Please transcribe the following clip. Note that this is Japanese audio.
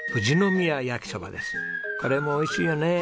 これも美味しいよね。